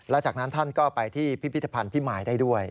และจากนั้นท่านก็ไปที่พิพิธภัณฑ์พิมายได้ด้วย